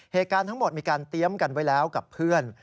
เหตุการณ์ทั้งหมดมีการเตรียมกันไว้แล้วกับเพื่อน